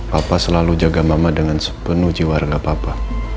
papa selalu jaga mama dengan sepenuh jiwa warga papa